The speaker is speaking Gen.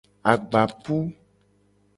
Agbapu.